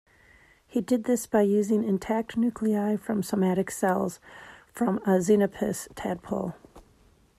He did this by using intact nuclei from somatic cells from a "Xenopus" tadpole.